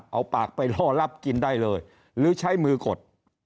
เอาปากไปล่อลับกินได้เลยหรือใช้มือกด